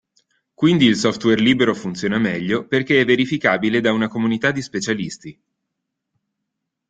Quindi il software libero funziona meglio perché è verificabile da una comunità di specialisti.